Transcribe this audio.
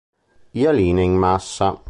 Ialine in massa.